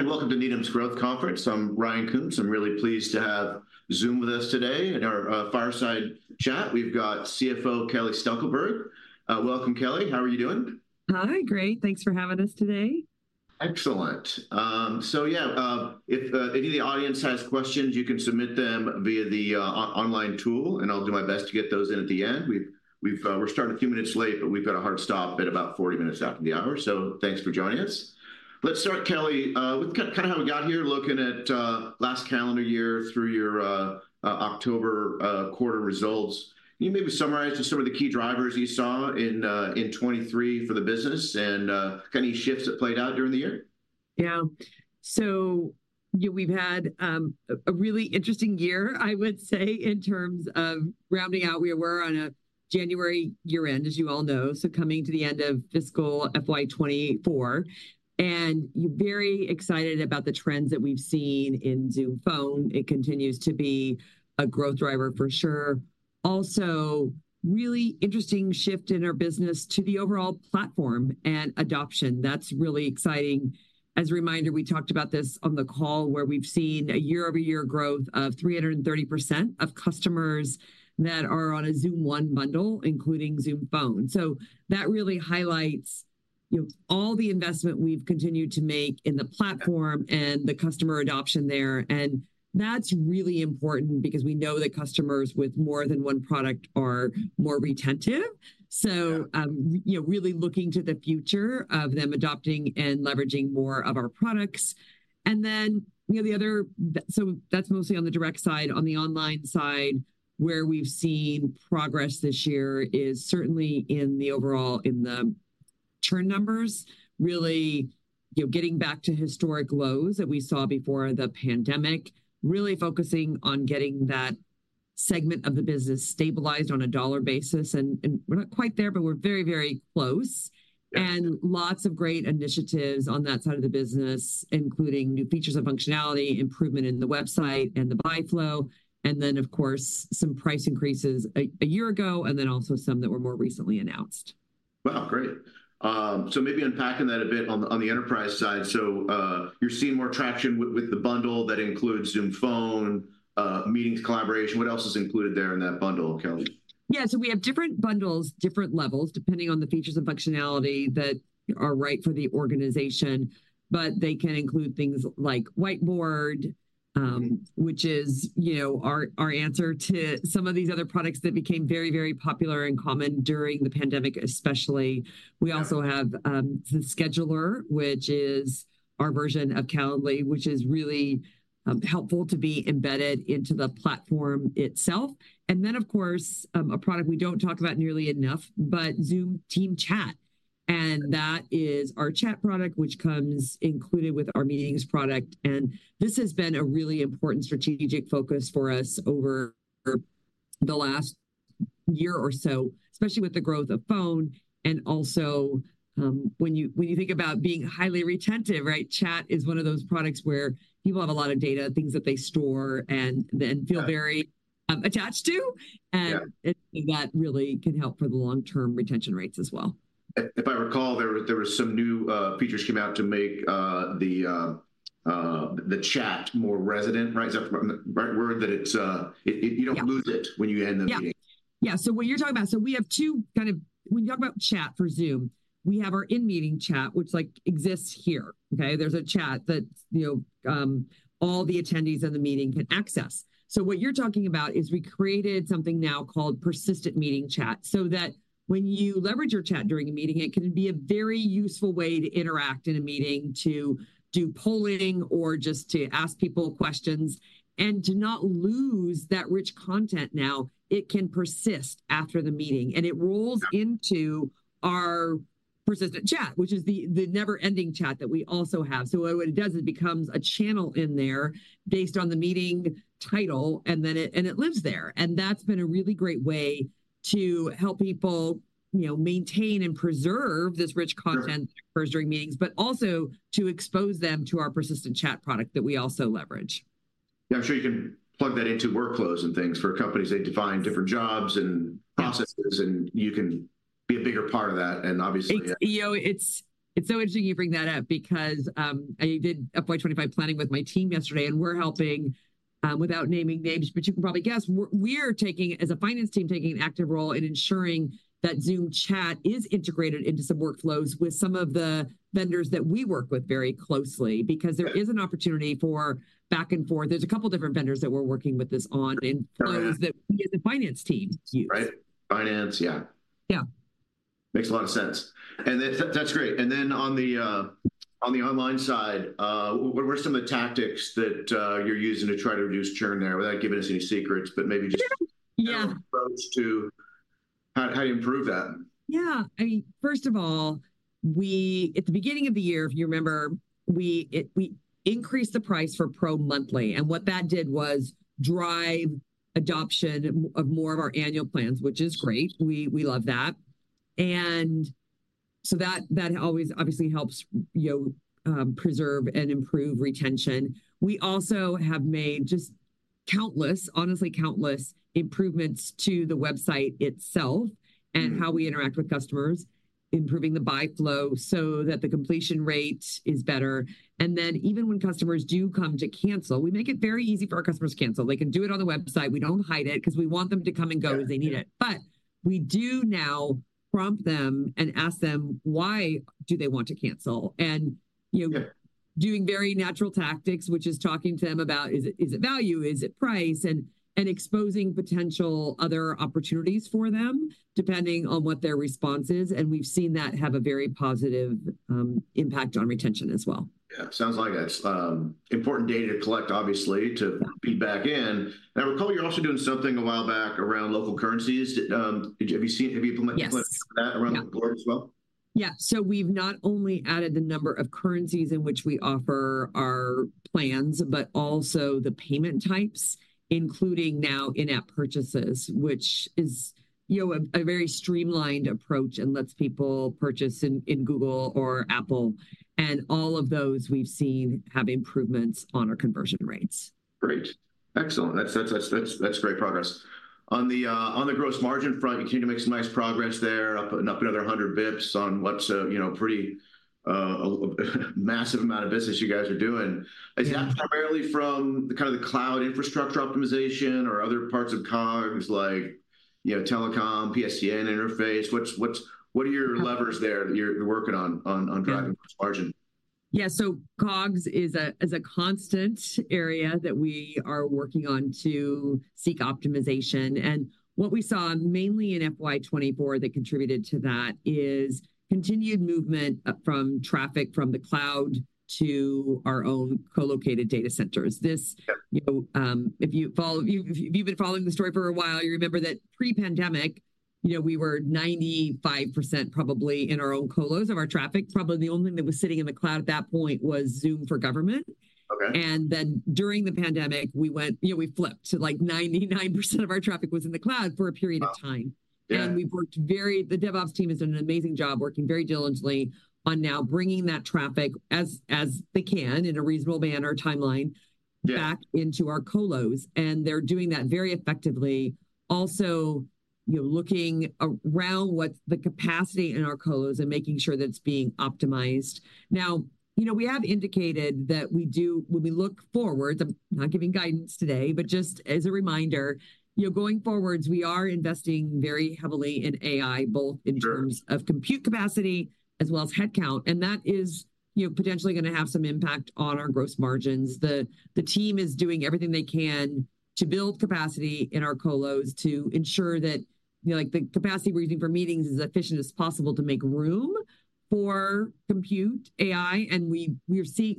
Hi, and welcome to Needham's Growth Conference. I'm Ryan Koontz. I'm really pleased to have Zoom with us today in our fireside chat. We've got CFO Kelly Steckelberg. Welcome, Kelly. How are you doing? Hi, great. Thanks for having us today. Excellent. So yeah, if any of the audience has questions, you can submit them via the Online tool, and I'll do my best to get those in at the end. We're starting a few minutes late, but we've got a hard stop at about 40 minutes after the hour, so thanks for joining us. Let's start, Kelly, with kind of how we got here, looking at last calendar year through your October quarter results. Can you maybe summarize just some of the key drivers you saw in 2023 for the business, and any shifts that played out during the year? Yeah. So yeah, we've had a really interesting year, I would say, in terms of rounding out. We were on a January year-end, as you all know, so coming to the end of fiscal FY 2024, and very excited about the trends that we've seen in Zoom Phone. It continues to be a growth driver for sure. Also, really interesting shift in our business to the overall platform and adoption. That's really exciting. As a reminder, we talked about this on the call, where we've seen a year-over-year growth of 330% of customers that are on a Zoom One bundle, including Zoom Phone. So that really highlights, you know, all the investment we've continued to make in the platform and the customer adoption there, and that's really important because we know that customers with more than one product are more retentive. Yeah. So, you know, really looking to the future of them adopting and leveraging more of our products. And then, you know, so that's mostly on the Direct side. On the online side, where we've seen progress this year is certainly in the overall, in the churn numbers, really, you know, getting back to historic lows that we saw before the pandemic. Really focusing on getting that segment of the business stabilized on a dollar basis, and we're not quite there, but we're very, very close. Yeah. Lots of great initiatives on that side of the business, including new features and functionality, improvement in the website and the buy flow, and then of course, some price increases a year ago, and then also some that were more recently announced. Wow, great. So, maybe unpacking that a bit on the Enterprise side. So, you're seeing more traction with the bundle that includes Zoom Phone, Meetings collaboration. What else is included there in that bundle, Kelly? Yeah, so we have different bundles, different levels, depending on the features and functionality that are right for the organization. But they can include things like Whiteboard- Mm-hmm... which is, you know, our answer to some of these other products that became very, very popular and common during the pandemic, especially. Yeah. We also have the Scheduler, which is our version of Calendly, which is really helpful to be embedded into the platform itself. And then, of course, a product we don't talk about nearly enough, but Zoom Team Chat, and that is our chat product, which comes included with our meetings product. And this has been a really important strategic focus for us over the last year or so, especially with the growth of Phone and also, when you, when you think about being highly retentive, right? Chat is one of those products where people have a lot of data, things that they store and then- Yeah... feel very attached to. Yeah. That really can help for the long-term retention rates as well. If I recall, there were some new features came out to make the chat more persistent, right? Is that the right word, that it's, it, it- Yeah... you don't lose it when you end the meeting. Yeah. Yeah, so what you're talking about, when you talk about chat for Zoom, we have our In-Meeting Chat, which, like, exists here, okay? There's a chat that, you know, all the attendees in the meeting can access. So what you're talking about is, we created something now called Persistent Meeting Chat, so that when you leverage your chat during a meeting, it can be a very useful way to interact in a meeting, to do polling, or just to ask people questions, and to not lose that rich content now. It can persist after the meeting, and it rolls- Yeah... into our persistent chat, which is the never-ending chat that we also have. So what it does, it becomes a channel in there based on the meeting title, and then it lives there. And that's been a really great way to help people, you know, maintain and preserve this rich content- Sure... during meetings, but also to expose them to our persistent chat product that we also leverage. Yeah, I'm sure you can plug that into workflows and things. For companies, they define different jobs and processes- Yeah... and you can be a bigger part of that, and obviously, yeah. It's, you know, so interesting you bring that up because I did FY 2025 planning with my team yesterday, and we're helping, without naming names, but you can probably guess, we're taking, as a finance team, an active role in ensuring that Zoom Chat is integrated into some workflows with some of the vendors that we work with very closely. Yeah. Because there is an opportunity for back and forth. There's a couple different vendors that we're working with this on, in flows- Yeah... that we as a finance team use. Right. Finance, yeah. Yeah. Makes a lot of sense. And then that, that's great. And then on the online side, what are some of the tactics that you're using to try to reduce churn there? Without giving us any secrets, but maybe just- Yeah, yeah... approach to how you improve that. Yeah. I mean, first of all, we, at the beginning of the year, if you remember, we increased the price for Pro Monthly, and what that did was drive adoption of more of our annual plans, which is great. We love that. And so that always obviously helps, you know, preserve and improve retention. We also have made countless, honestly countless improvements to the website itself. Mm -and how we interact with customers, improving the buy flow so that the completion rate is better. And then even when customers do come to cancel, we make it very easy for our customers to cancel. They can do it on the website. We don't hide it, 'cause we want them to come and go- Yeah, yeah... as they need it. But we do now prompt them and ask them, why do they want to cancel? And, you know- Yeah... doing very natural tactics, which is talking to them about, is it, is it value? Is it price? And, and exposing potential other opportunities for them, depending on what their response is, and we've seen that have a very positive, impact on retention as well. Yeah. Sounds like it. Important data to collect, obviously, to- Yeah... feedback in. I recall you're also doing something a while back around local currencies. Have you seen, have you implemented- Yes... that around the globe as well? Yeah. So we've not only added the number of currencies in which we offer our plans, but also the payment types, including now in-app purchases, which is, you know, a, a very streamlined approach and lets people purchase in Google or Apple. And all of those we've seen have improvements on our conversion rates. Great. Excellent. That's great progress. On the gross margin front, you continue to make some nice progress there, up another 100 basis points on what's a, you know, pretty a massive amount of business you guys are doing. Yeah. Is that primarily from the kinda the cloud infrastructure optimization or other parts of COGS, like, you know, telecom, PSTN interface? What's, what's- Yeah ... what are your levers there that you're working on driving- Yeah... margin? Yeah, so COGS is a constant area that we are working on to seek optimization. And what we saw mainly in FY 2024 that contributed to that is continued movement from traffic from the cloud to our own co-located data centers. Sure. This, you know, if you've been following the story for a while, you remember that pre-pandemic, you know, we were 95% probably in our own colos of our traffic. Probably the only thing that was sitting in the cloud at that point was Zoom for Government. Okay. And then, during the pandemic, we went, you know, we flipped to, like, 99% of our traffic was in the cloud for a period of time. Wow. Yeah. The DevOps team has done an amazing job working very diligently on now bringing that traffic, as they can in a reasonable manner, timeline. Yeah... back into our colos, and they're doing that very effectively. Also, you know, looking around what's the capacity in our colos and making sure that it's being optimized. Now, you know, we have indicated that we do, when we look forward, I'm not giving guidance today, but just as a reminder, you know, going forward, we are investing very heavily in AI, both in terms- Sure... of compute capacity as well as headcount, and that is, you know, potentially gonna have some impact on our gross margins. The team is doing everything they can to build capacity in our colos to ensure that, you know, like, the capacity we're using for meetings is as efficient as possible to make room for compute AI, and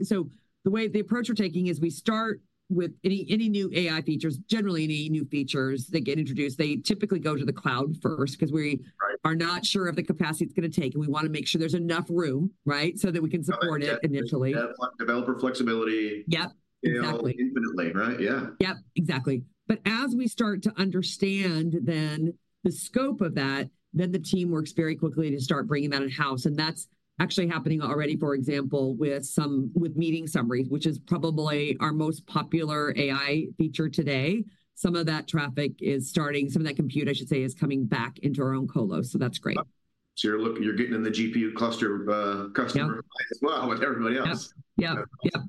So the way, the approach we're taking is we start with any, any new AI features, generally any new features that get introduced, they typically go to the cloud first, 'cause we- Right... are not sure of the capacity it's gonna take, and we wanna make sure there's enough room, right? So that we can support it initially. Developer flexibility- Yep, exactly. You know, infinitely, right? Yeah. Yep, exactly. But as we start to understand then the scope of that, then the team works very quickly to start bringing that in-house, and that's actually happening already, for example, with meeting summaries, which is probably our most popular AI feature today. Some of that compute, I should say, is coming back into our own colo, so that's great. You're looking, you're getting in the GPU cluster, customer- Yeah... as well, with everybody else. Yeah, yeah,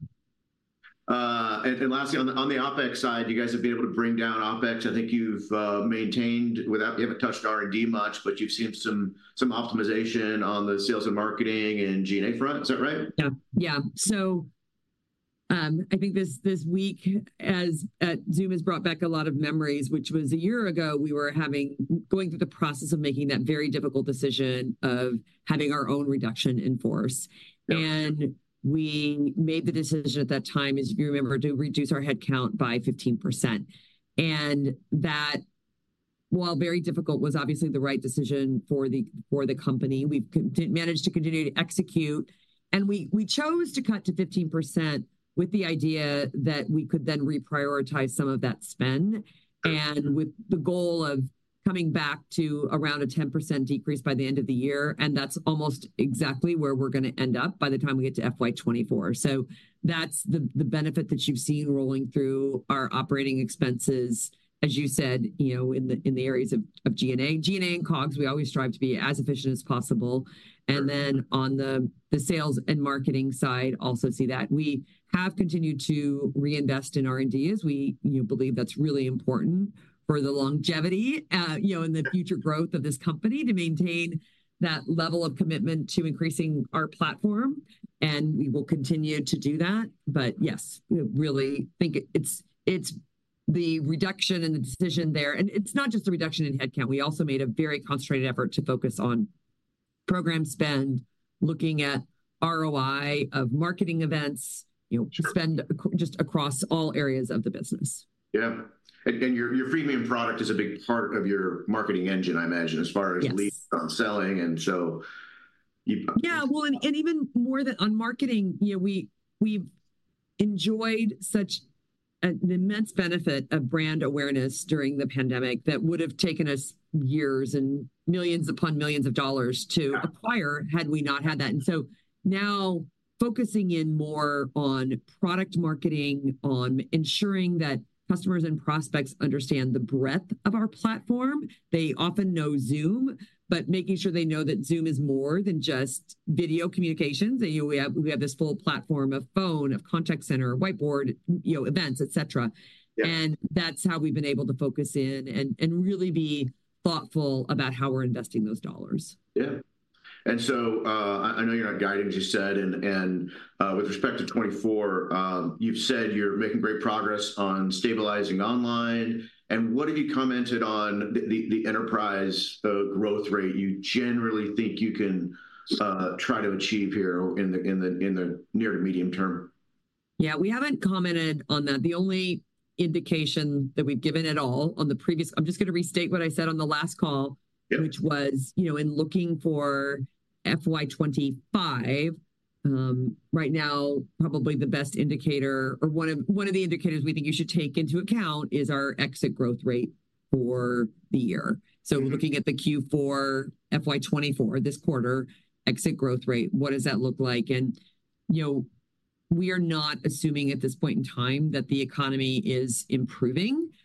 yeah. Lastly, on the OpEx side, you guys have been able to bring down OpEx. I think you haven't touched R&D much, but you've seen some optimization on the sales and marketing and G&A front. Is that right? Yeah, yeah. So, I think this week, as Zoom has brought back a lot of memories, which was a year ago, we were going through the process of making that very difficult decision of having our own Reduction in Force. Yeah. We made the decision at that time, as you remember, to reduce our headcount by 15%, and that, while very difficult, was obviously the right decision for the company. We've managed to continue to execute, and we chose to cut to 15% with the idea that we could then reprioritize some of that spend- Sure... and with the goal of coming back to around a 10% decrease by the end of the year, and that's almost exactly where we're gonna end up by the time we get to FY 2024. So that's the, the benefit that you've seen rolling through our operating expenses, as you said, you know, in the, in the areas of, of G&A. G&A and COGS, we always strive to be as efficient as possible. Sure. And then on the sales and marketing side, also see that. We have continued to reinvest in R&D, as we, you know, believe that's really important for the longevity, you know, and the future growth of this company, to maintain that level of commitment to increasing our platform, and we will continue to do that. But yes, we really think it's the reduction and the decision there. And it's not just the reduction in headcount. We also made a very concentrated effort to focus on program spend, looking at ROI of marketing events, you know- Sure... spend just across all areas of the business. Yeah. And your freemium product is a big part of your marketing engine, I imagine, as far as- Yes... leads on selling, and so you- Yeah, well, and even more than on marketing, you know, we've enjoyed such an immense benefit of brand awareness during the pandemic that would have taken us years and millions upon millions to acquire had we not had that. And so now focusing in more on product marketing, on ensuring that customers and prospects understand the breadth of our platform. They often know Zoom, but making sure they know that Zoom is more than just video communications. That we have this full platform of Phone, of Contact Center, Whiteboard, you know, Events, et cetera. Yeah. That's how we've been able to focus in and really be thoughtful about how we're investing those dollars. Yeah. And so, I know you're not guiding, as you said, and with respect to 2024, you've said you're making great progress on stabilizing online, and what have you commented on the enterprise growth rate you generally think you can try to achieve here in the near to medium term? Yeah, we haven't commented on that. The only indication that we've given at all on the previous... I'm just gonna restate what I said on the last call- Yeah... which was, you know, in looking for FY 25, right now, probably the best indicator or one of the indicators we think you should take into account is our exit growth rate for the year. Mm. So looking at the Q4 FY 2024, this quarter exit growth rate, what does that look like? You know, we are not assuming at this point in time that the economy is improving. Yeah.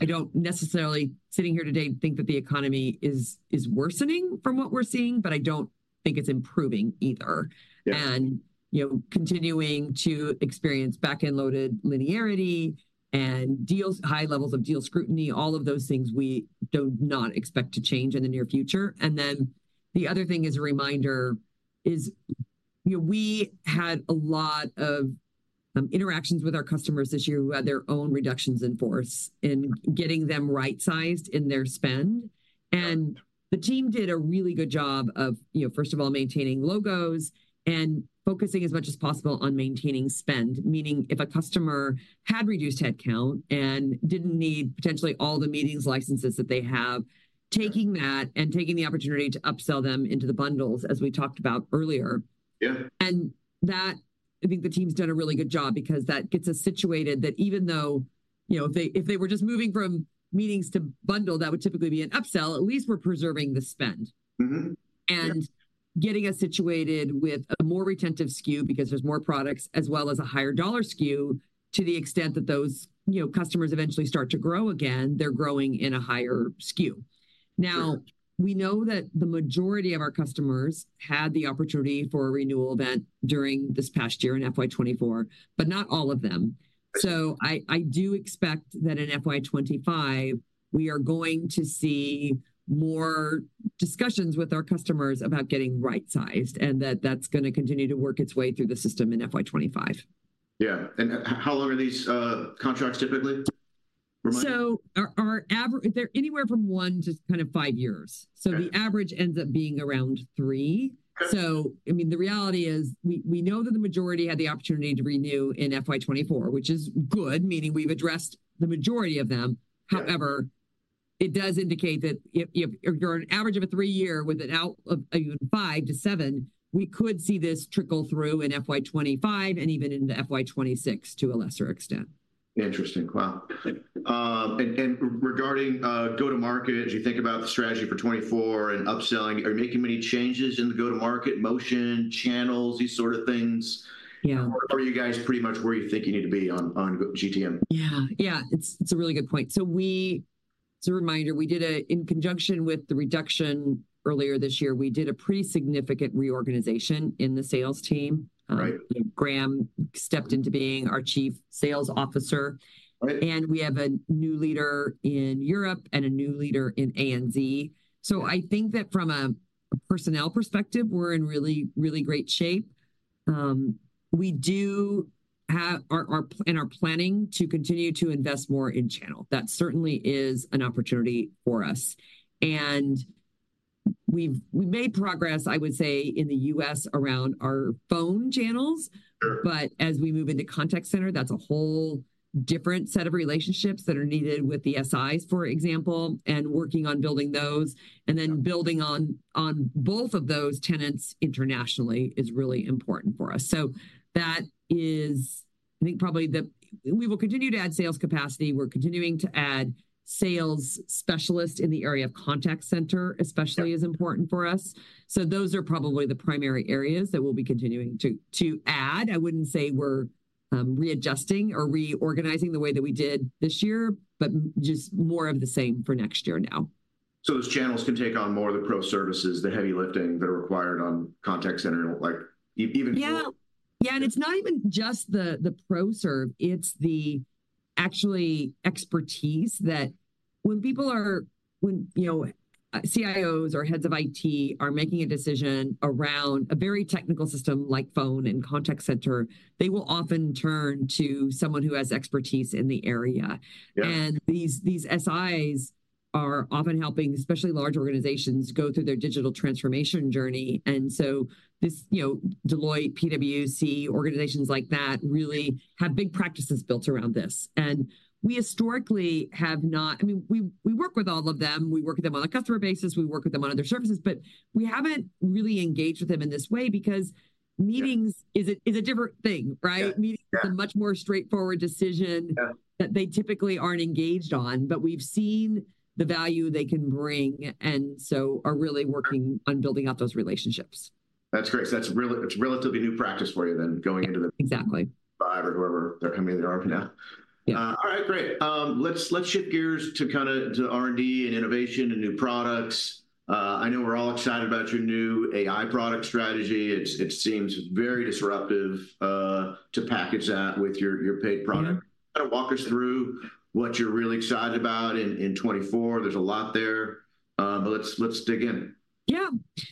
I don't necessarily, sitting here today, think that the economy is worsening from what we're seeing, but I don't think it's improving either. Yeah. And, you know, continuing to experience back-end loaded linearity and deals, high levels of deal scrutiny, all of those things we do not expect to change in the near future. And then the other thing as a reminder is, you know, we had a lot of interactions with our customers this year who had their own reductions in force, and getting them right-sized in their spend. Yeah. The team did a really good job of, you know, first of all, maintaining logos and focusing as much as possible on maintaining spend. Meaning, if a customer had reduced headcount and didn't need potentially all the meetings licenses that they have- Yeah... taking that and taking the opportunity to upsell them into the bundles, as we talked about earlier. Yeah. And that, I think the team's done a really good job because that gets us situated that even though, you know, if they, if they were just moving from meetings to bundle, that would typically be an upsell, at least we're preserving the spend. Mm-hmm. Yeah. Getting us situated with a more retentive SKU, because there's more products as well as a higher dollar SKU, to the extent that those, you know, customers eventually start to grow again, they're growing in a higher SKU. Sure. Now, we know that the majority of our customers had the opportunity for a renewal event during this past year in FY 2024, but not all of them. So I, I do expect that in FY 2025, we are going to see more discussions with our customers about getting right-sized, and that that's gonna continue to work its way through the system in FY 2025. Yeah. And how long are these contracts typically? Remind me? They're anywhere from one to kind of five years. Okay. The average ends up being around three. Okay. So I mean, the reality is, we know that the majority had the opportunity to renew in FY 2024, which is good, meaning we've addressed the majority of them. Yeah. However, it does indicate that if you're an average of a three-year with an out of a five-to-seven, we could see this trickle through in FY 2025 and even into FY 2026, to a lesser extent. Interesting. Wow! And regarding go-to-market, as you think about the strategy for 2024 and upselling, are you making many changes in the go-to-market motion, channels, these sort of things? Yeah. Or are you guys pretty much where you think you need to be on GTM? Yeah, yeah, it's, it's a really good point. So, as a reminder, we did a, in conjunction with the reduction earlier this year, we did a pretty significant reorganization in the sales team. Right. Graeme stepped into being our Chief Sales Officer. Right. We have a new leader in Europe and a new leader in ANZ. Yeah. So I think that from a personnel perspective, we're in really, really great shape. We do have and are planning to continue to invest more in channel. That certainly is an opportunity for us. We've made progress, I would say, in the U.S. around our Phone channels. Sure. But as we move into Contact Center, that's a whole different set of relationships that are needed with the SIs, for example, and working on building those, and then building on, on both of those tenets internationally is really important for us. So that is, I think, probably the... We will continue to add sales capacity. We're continuing to add sales specialists in the area of Contact Center, especially- Yeah... is important for us. So those are probably the primary areas that we'll be continuing to add. I wouldn't say we're readjusting or reorganizing the way that we did this year, but just more of the same for next year now. So those channels can take on more of the Pro Services, the heavy lifting that are required on Contact Center, like Yeah. Yeah, and it's not even just the Pro Serve, it's the actual expertise that, when, you know, CIOs or heads of IT are making a decision around a very technical system like Phone and Contact Center, they will often turn to someone who has expertise in the area. Yeah. And these SIs are often helping, especially large organizations, go through their digital transformation journey. And so this, you know, Deloitte, PwC, organizations like that, really have big practices built around this. And we historically have not—I mean, we, we work with all of them. We work with them on a customer basis, we work with them on other services, but we haven't really engaged with them in this way because meetings is a different thing, right? Yeah. Meetings are a much more straightforward decision. Yeah... that they typically aren't engaged on. But we've seen the value they can bring, and so are really working on building out those relationships. That's great. So it's a relatively new practice for you then, going into the- Exactly Five or whoever, however many there are now. Yeah. All right, great. Let's shift gears to kind of R&D and innovation and new products. I know we're all excited about your new AI product strategy. It seems very disruptive to package that with your paid product. Yeah. Kind of walk us through what you're really excited about in 2024. There's a lot there, but let's dig in. Yeah.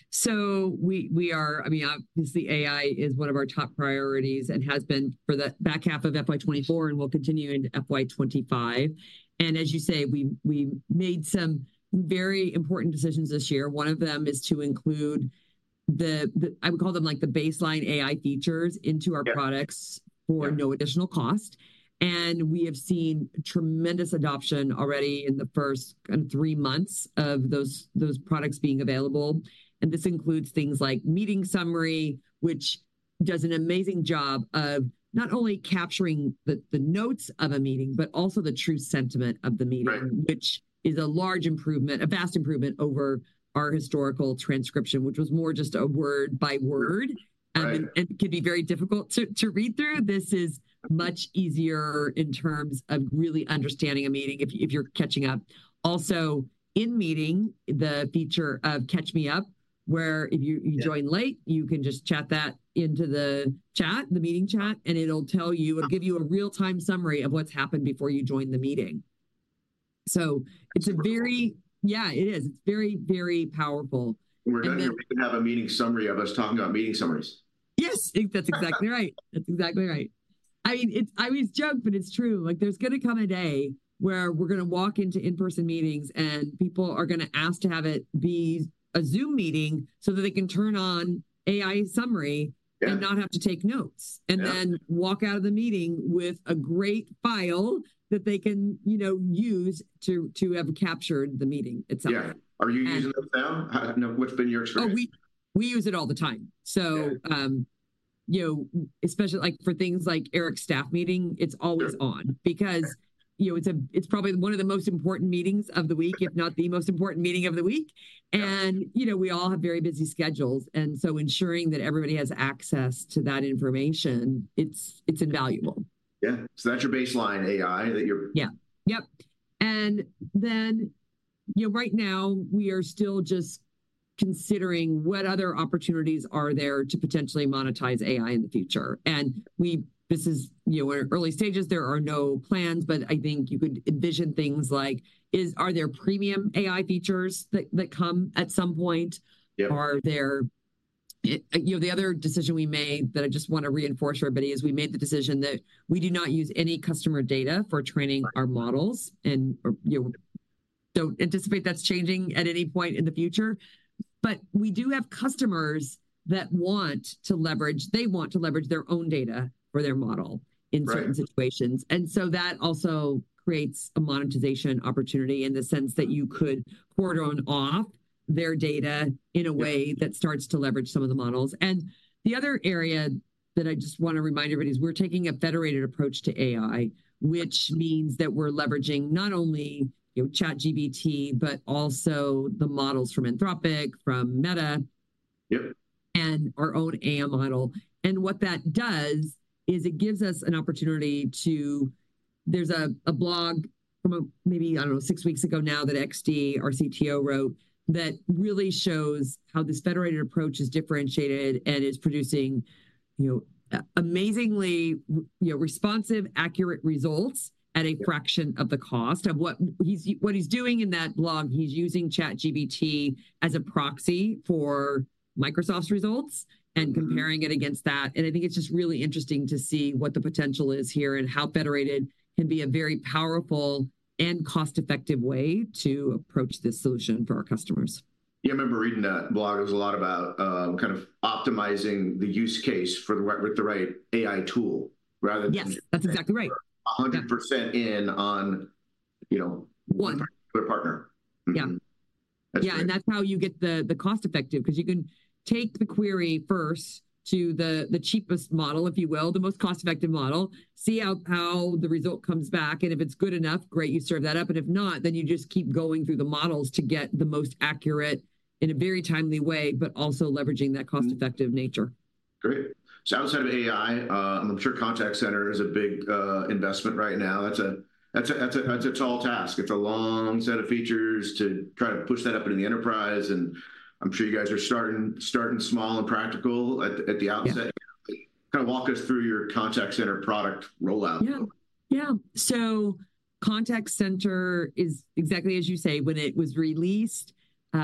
So we are... I mean, obviously, AI is one of our top priorities and has been for the back half of FY 2024, and will continue into FY 2025. And as you say, we made some very important decisions this year. One of them is to include the, I would call them, like, the baseline AI features into our- Yeah ...products for no additional cost. We have seen tremendous adoption already in the first kind of three months of those products being available. This includes things like Meeting Summary, which does an amazing job of not only capturing the notes of a meeting, but also the true sentiment of the meeting. Right... which is a large improvement, a vast improvement over our historical transcription, which was more just a word by word. Right. It could be very difficult to read through. This is much easier in terms of really understanding a meeting if you're catching up. Also, in meeting, the feature of Catch Me Up, where if you- Yeah... you join late, you can just chat that into the chat, the meeting chat, and it'll tell you- Yeah... it'll give you a real-time summary of what's happened before you joined the meeting. So it's a very- That's cool. Yeah, it is. It's very, very powerful. And then- When we're done here, we can have a meeting summary of us talking about meeting summaries. Yes, I think that's exactly right. That's exactly right. I mean, it's, I always joke, but it's true. Like, there's gonna come a day where we're gonna walk into in-person meetings, and people are gonna ask to have it be a Zoom Meeting so that they can turn on AI summary- Yeah... and not have to take notes. Yeah. Then walk out of the meeting with a great file that they can, you know, use to have captured the meeting, et cetera. Yeah. And- Are you using those now? You know, what's been your experience? Oh, we use it all the time. Yeah. You know, especially, like, for things like Eric's staff meeting, it's always on. Yeah. Because, you know, it's probably one of the most important meetings of the week, if not the most important meeting of the week. Yeah. You know, we all have very busy schedules, and so ensuring that everybody has access to that information, it's invaluable. Yeah. So that's your baseline AI, that you're- Yeah. Yep, and then, you know, right now, we are still just considering what other opportunities are there to potentially monetize AI in the future. And we, this is, you know, in early stages. There are no plans, but I think you could envision things like is... Are there premium AI features that, that come at some point? Yeah. you know, the other decision we made that I just wanna reinforce for everybody, is we made the decision that we do not use any customer data for training our models- Right... and, you know, don't anticipate that's changing at any point in the future. But we do have customers that want to leverage, they want to leverage their own data for their model- Right... in certain situations. And so that also creates a monetization opportunity in the sense that you could cordon off their data in a way- Yeah... that starts to leverage some of the models. And the other area that I just wanna remind everybody is we're taking a federated approach to AI, which means that we're leveraging not only, you know, ChatGPT, but also the models from Anthropic, from Meta- Yeah... and our own AI model. And what that does is it gives us an opportunity to... There's a blog from maybe, I don't know, six weeks ago now, that XD, our CTO, wrote, that really shows how this federated approach is differentiated and is producing, you know, amazingly, you know, responsive, accurate results at a fraction- Yeah... of the cost. Of what he's doing in that blog, he's using ChatGPT as a proxy for Microsoft's results, and comparing it against that. Mm-hmm. I think it's just really interesting to see what the potential is here, and how federated can be a very powerful and cost-effective way to approach this solution for our customers. Yeah, I remember reading that blog. It was a lot about, kind of optimizing the use case for the right, with the right AI tool, rather than- Yes, that's exactly right. ... 100% in on, you know- One... their partner. Mm-hmm. Yeah. That's great. Yeah, and that's how you get the cost-effective. 'Cause you can take the query first to the cheapest model, if you will, the most cost-effective model, see how the result comes back, and if it's good enough, great, you serve that up. And if not, then you just keep going through the models to get the most accurate in a very timely way, but also leveraging that cost-effective nature. Mm. Great. So outside of AI, I'm sure Contact Center is a big investment right now. That's a tall task. It's a long set of features to try to push that up into the enterprise, and I'm sure you guys are starting small and practical at the outset. Yeah. Kind of walk us through your Contact Center product rollout. Yeah, yeah. So Contact Center is exactly as you say. When it was released,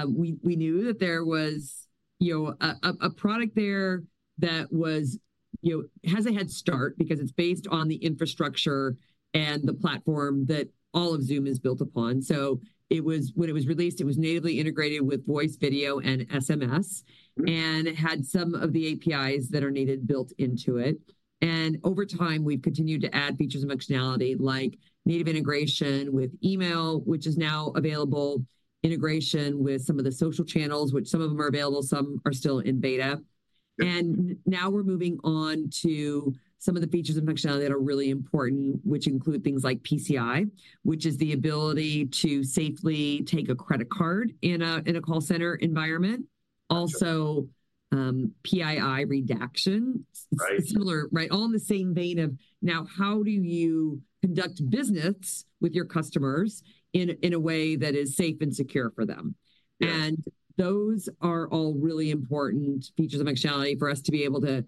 we knew that there was, you know, a product there that was, you know, has a head start because it's based on the infrastructure and the platform that all of Zoom is built upon. So it was, when it was released, it was natively integrated with voice, video, and SMS, and it had some of the APIs that are needed built into it. Over time, we've continued to add features and functionality, like native integration with email, which is now available, integration with some of the social channels, which some of them are available, some are still in beta. Yeah. Now we're moving on to some of the features and functionality that are really important, which include things like PCI, which is the ability to safely take a credit card in a call center environment. Gotcha. Also, PII Redaction. Right. Similar, right, all in the same vein of, now how do you conduct business with your customers in a, in a way that is safe and secure for them? Yes. Those are all really important features and functionality for us to be able to,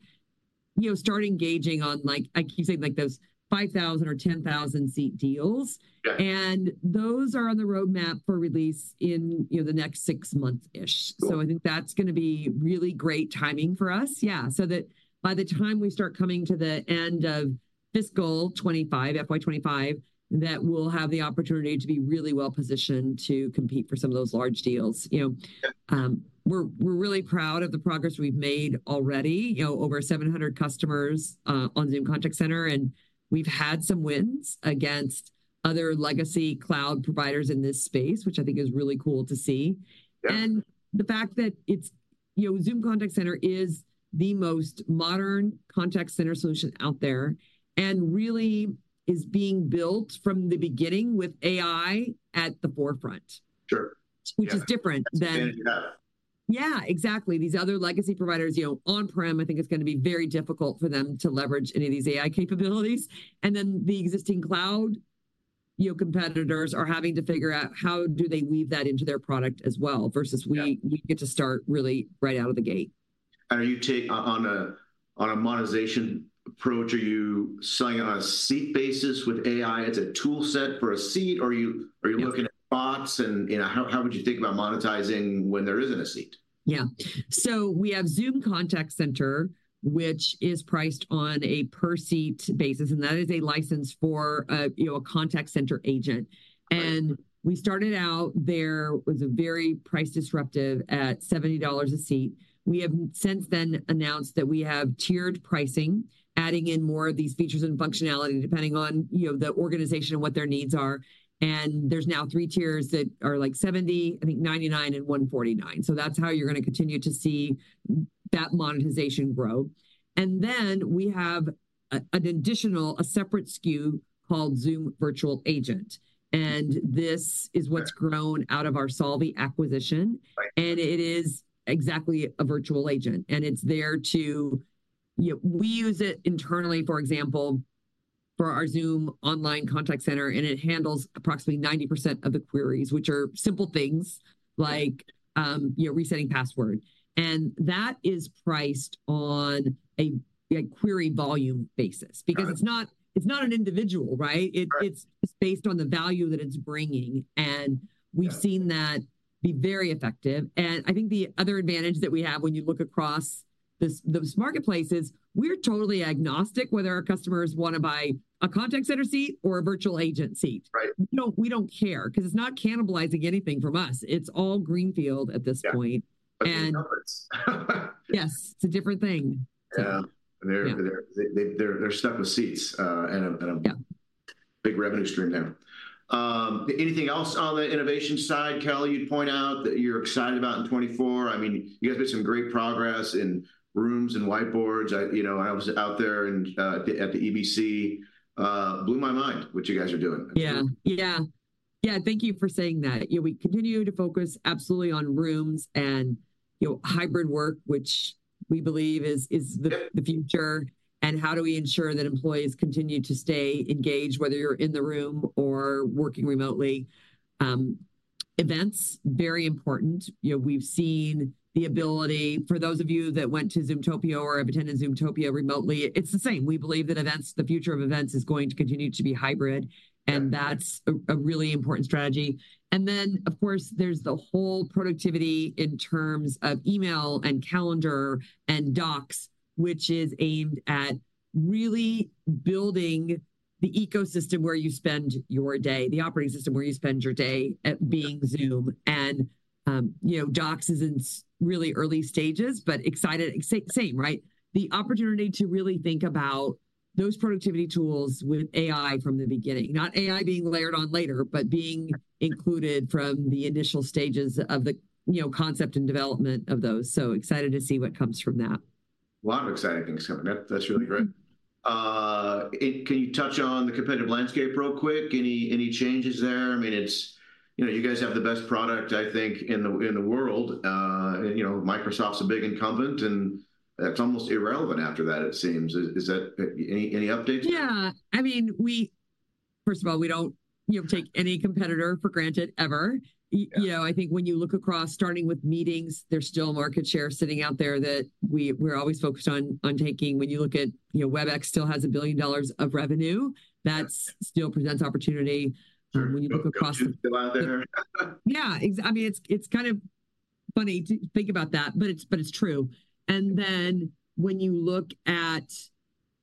you know, start engaging on like, I keep saying, like, those 5,000 or 10,000 seat deals. Yeah. Those are on the roadmap for release in, you know, the next six months-ish. Cool. So I think that's gonna be really great timing for us. Yeah, so that by the time we start coming to the end of FY2025, FY25, that we'll have the opportunity to be really well-positioned to compete for some of those large deals, you know. Yeah. We're really proud of the progress we've made already. You know, over 700 customers on Zoom Contact Center, and we've had some wins against other legacy cloud providers in this space, which I think is really cool to see. Yeah. The fact that it's, you know, Zoom Contact Center is the most modern Contact Center solution out there, and really is being built from the beginning with AI at the forefront. Sure. Yeah. Which is different than- Than others. Yeah, exactly. These other legacy providers, you know, on-prem, I think it's gonna be very difficult for them to leverage any of these AI capabilities. And then, the existing cloud, you know, competitors are having to figure out how do they weave that into their product as well, versus- Yeah... we get to start really right out of the gate. Are you taking on a monetization approach, are you selling on a seat basis with AI as a tool set for a seat, or are you- Yeah... are you looking at bots and, you know, how, how would you think about monetizing when there isn't a seat? Yeah. So we have Zoom Contact Center, which is priced on a per-seat basis, and that is a license for a, you know, a Contact Center agent. Right. And we started out there with a very price disruptive at $70 a seat. We have since then announced that we have tiered pricing, adding in more of these features and functionality, depending on, you know, the organization and what their needs are. And there's now three tiers that are, like, $70, I think $99, and $149. So that's how you're gonna continue to see that monetization grow. And then, we have a, an additional, a separate SKU called Zoom Virtual Agent, and this is what's- Right... grown out of our Solvvy acquisition. Right. It is exactly a virtual agent, and it's there to, you know... We use it internally, for example, for our Zoom online Contact Center, and it handles approximately 90% of the queries, which are simple things like, you know, resetting password. And that is priced on a query volume basis- Got it... because it's not, it's not an individual, right? Right. It's based on the value that it's bringing, and- Yeah... we've seen that be very effective. I think the other advantage that we have when you look across this, those marketplaces, we're totally agnostic whether our customers wanna buy a Contact Center seat or a virtual agent seat. Right. We don't care, 'cause it's not cannibalizing anything from us. It's all greenfield at this point. Yeah. And- But good numbers. Yes, it's a different thing. Yeah. Yeah. And they're stuck with seats, and a- Yeah... big revenue stream now. Anything else on the innovation side, Kelly, you'd point out that you're excited about in 2024? I mean, you guys made some great progress in Rooms and Whiteboards. I, you know, I was out there at the EBC. Blew my mind what you guys are doing. Yeah. Yeah, yeah, thank you for saying that. You know, we continue to focus absolutely on Rooms and, you know, hybrid work, which we believe is the- Yeah... the future, and how do we ensure that employees continue to stay engaged, whether you're in the room or working remotely? Events, very important. You know, we've seen the ability... For those of you that went to Zoomtopia or have attended Zoomtopia remotely, it's the same. We believe that Events, the future of Events, is going to continue to be hybrid- Yeah... and that's a really important strategy. And then, of course, there's the whole productivity in terms of email and calendar and Docs, which is aimed at really building the ecosystem where you spend your day, the operating system where you spend your day at being Zoom. And, you know, Docs is in really early stages, but excited. Same, same, right? The opportunity to really think about those productivity tools with AI from the beginning, not AI being layered on later, but being included from the initial stages of the, you know, concept and development of those. So excited to see what comes from that. A lot of exciting things coming up. That's really great. And can you touch on the competitive landscape real quick? Any changes there? I mean, it's, you know, you guys have the best product, I think, in the world. And, you know, Microsoft's a big incumbent, and it's almost irrelevant after that, it seems. Is that any updates? Yeah. I mean, we, first of all, we don't, you know, take any competitor for granted, ever. Yeah. you know, I think when you look across, starting with meetings, there's still market share sitting out there that we, we're always focused on, on taking. When you look at, you know, Webex still has $1 billion of revenue- Yeah... that still presents opportunity. Sure. When you look across- Still out there. Yeah, I mean, it's kind of funny to think about that, but it's true. And then when you look at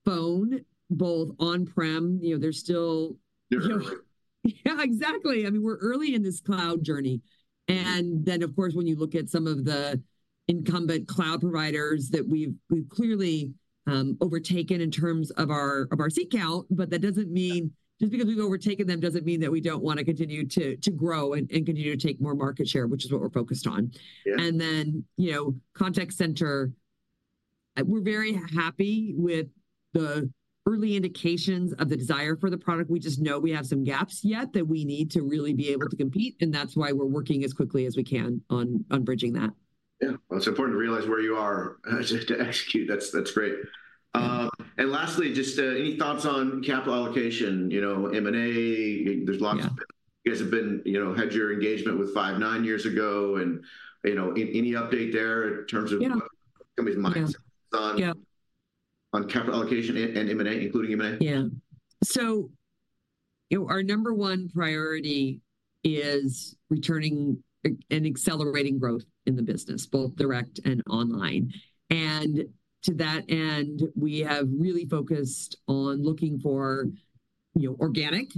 Phone, both on-prem, you know, there's still- Yeah. Yeah, exactly. I mean, we're early in this cloud journey. And then, of course, when you look at some of the incumbent cloud providers that we've, we've clearly overtaken in terms of our, of our seat count, but that doesn't mean just because we've overtaken them, doesn't mean that we don't wanna continue to, to grow and, and continue to take more market share, which is what we're focused on. Yeah. Then, you know, Contact Center, we're very happy with the early indications of the desire for the product. We just know we have some gaps yet that we need to really be able to compete, and that's why we're working as quickly as we can on bridging that. Yeah. Well, it's important to realize where you are to execute. That's great. And lastly, just any thoughts on capital allocation? You know, M&A, there's lots of- Yeah... you guys have been, you know, had your engagement with Five9 years ago, and, you know, any update there in terms of- Yeah... company's mindset on- Yeah on capital allocation and M&A, including M&A? Yeah. So, you know, our number one priority is returning and accelerating growth in the business, both direct and online. And to that end, we have really focused on looking for, you know, organic.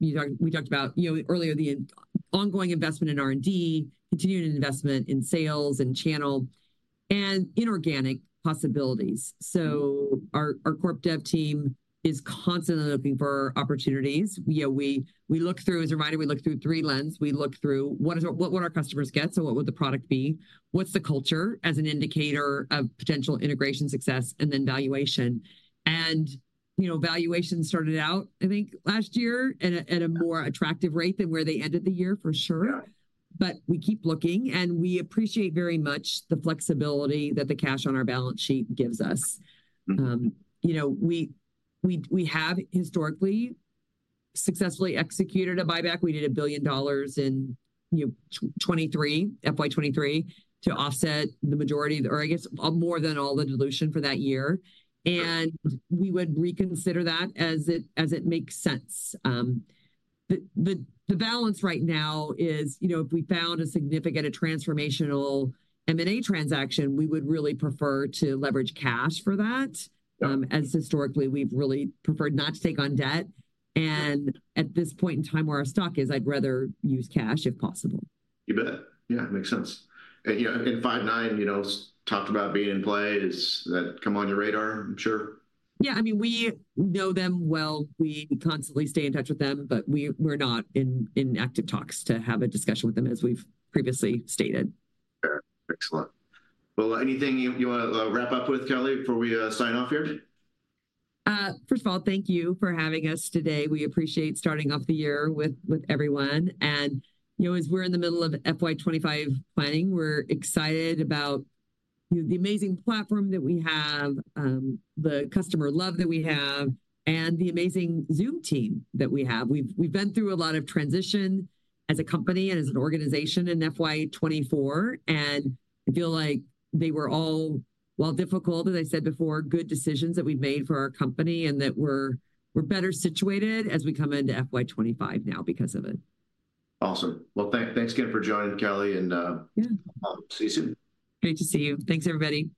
We talked, we talked about, you know, earlier the ongoing investment in R&D, continuing investment in sales and channel, and inorganic possibilities. So our corp dev team is constantly looking for opportunities. You know, we look through, as a reminder, we look through three lens. We look through what is our--what would our customers get, so what would the product be? What's the culture, as an indicator of potential integration success, and then valuation. And, you know, valuation started out, I think, last year at a more attractive rate than where they ended the year, for sure. Yeah. But we keep looking, and we appreciate very much the flexibility that the cash on our balance sheet gives us. Mm-hmm. You know, we have historically successfully executed a buyback. We did $1 billion in, you know, 2023, FY 2023, to offset the majority of, or I guess, more than all the dilution for that year. Sure. We would reconsider that as it makes sense. The balance right now is, you know, if we found a significant, a transformational M&A transaction, we would really prefer to leverage cash for that. Yeah. As historically, we've really preferred not to take on debt. Yeah. At this point in time, where our stock is, I'd rather use cash if possible. You bet. Yeah, makes sense. You know, and Five9, you know, talked about being in play. Does that come on your radar? I'm sure. Yeah. I mean, we know them well. We constantly stay in touch with them, but we're not in active talks to have a discussion with them, as we've previously stated. Fair. Excellent. Well, anything you wanna wrap up with, Kelly, before we sign off here? First of all, thank you for having us today. We appreciate starting off the year with everyone, and, you know, as we're in the middle of FY2025 planning, we're excited about the amazing platform that we have, the customer love that we have, and the amazing Zoom team that we have. We've been through a lot of transition as a company and as an organization in FY2024, and I feel like they were all, while difficult, as I said before, good decisions that we've made for our company and that we're better situated as we come into FY2025 now because of it. Awesome. Well, thanks again for joining, Kelly, and- Yeah... I'll see you soon. Great to see you. Thanks, everybody. Bye.